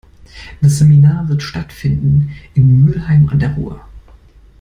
Das Seminar wird stattfinden in Mülheim an der Ruhr.